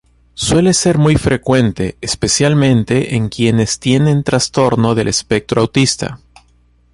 Suele ser muy frecuente especialmente en quienes tienen trastorno del espectro autista.